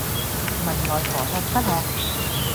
問外婆吃不吃